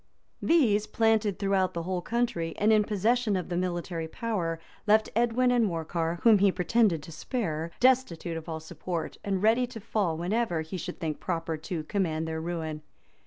] These, planted throughout the whole country, and in possession of the military power, left Edwin and Morcar, whom he pretended to spare, destitute of all support, and ready to fall whenever he should think proper to command their ruin.